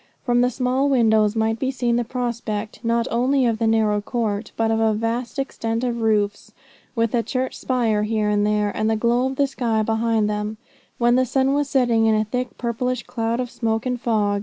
From the small windows might be seen the prospect, not only of the narrow court, but of a vast extent of roofs, with a church spire here and there, and the glow of the sky behind them, when the sun was setting in a thick purplish cloud of smoke and fog.